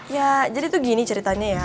ya jadi itu gini ceritanya ya